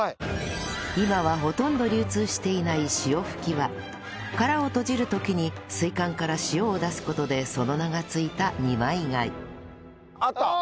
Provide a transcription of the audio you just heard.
今はほとんど流通していないシオフキは殻を閉じる時に水管から潮を出す事でその名が付いた二枚貝あった！